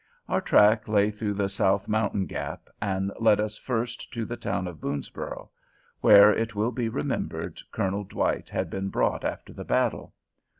Our track lay through the South Mountain Gap, and led us first to the town of Boonsborough, where, it will be remembered, Colonel Dwight had been brought after the battle.